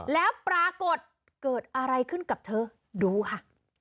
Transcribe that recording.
แล้วปรากฏเกิดอะไรขึ้นกับเธอดูค่ะ